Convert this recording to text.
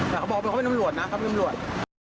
แต่เขาบอกว่าเขาเป็นตำรวจนะเขาเป็นตำรวจ